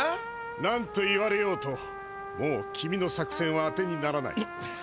なんと言われようともう君の作せんはあてにならない。